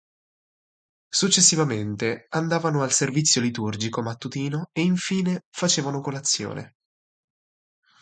Successivamente andavano al servizio liturgico mattutino e infine facevano colazione.